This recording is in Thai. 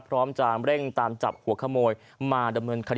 พร้อมจะเร่งตามจับหัวขโมยมาดำเนินคดี